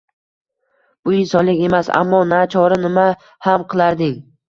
Bu insonlik emas, ammo na chora, nima ham qilarding?!